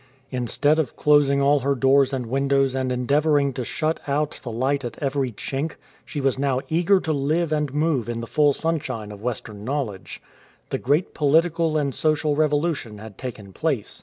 '"* Instead of closing all her doors and windows and endeavouring to shut out the light at every chink, she was now eager to live and move in the full sunshine of Western knowledge. The great political and social revolution had taken place.